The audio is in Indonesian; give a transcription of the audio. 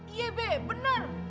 iya be bener